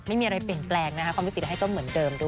ความวิสิทธิ์ให้ก็เหมือนเดิมด้วย